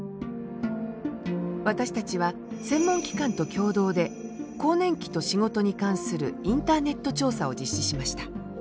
私たちは専門機関と共同で更年期と仕事に関するインターネット調査を実施しました。